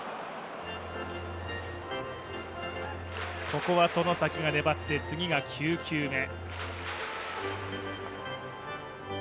ここは外崎が粘って次が９球目。